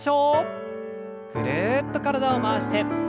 ぐるっと体を回して。